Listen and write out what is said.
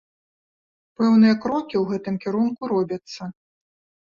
Пэўныя крокі ў гэтым кірунку робяцца.